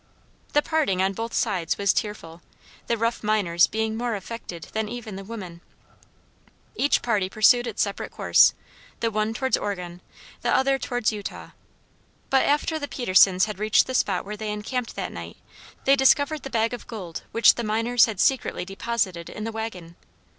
The parting, on both sides, was tearful, the rough miners being more affected than even the women. Each party pursued its separate course, the one towards Oregon, the other towards Utah; but after the Petersons had reached the spot where they encamped that night, they discovered the bag of gold, which the miners had secretly deposited in the wagon.